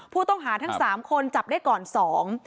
ผู้ต้องหาทั้งสามคนจับได้ก่อนสอง